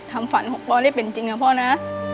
ทำฝันของบอลได้เป็นจริงนะพ่อนะ